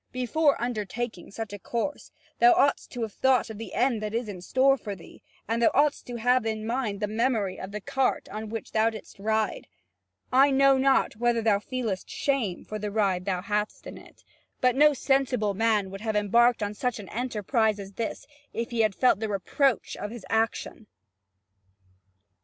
Before undertaking such a course, thou oughtest to have thought of the end that is in store for thee, and thou oughtest to have in mind the memory of the cart on which thou didst ride. I know not whether thou feelest shame for the ride thou hadst on it, but no sensible man would have embarked on such an enterprise as this if he had felt the reproach of his action."